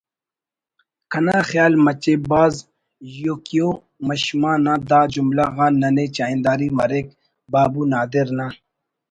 کنا خیال مچے بھاز یوکیومشما نا دا جملہ غان ننے چاہنداری مریک بابو نادر نا